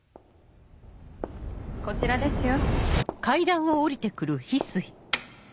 こちらですよ？